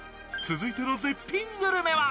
続いての絶品グルメは